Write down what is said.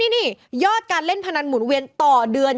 นี่ยอดการเล่นพนันหมุนเวียนต่อเดือน